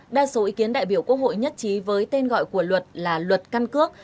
đa số ý kiến đại biểu quốc hội nhất trí với tên gọi của luật là luật căn cước